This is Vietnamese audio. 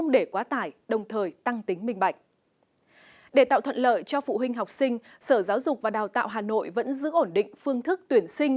để tạo thuận lợi cho phụ huynh học sinh sở giáo dục và đào tạo hà nội vẫn giữ ổn định phương thức tuyển sinh